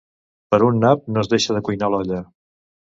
Per un nap no es deixa de cuinar l'olla.